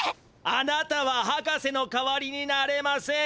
あなたははかせの代わりになれません。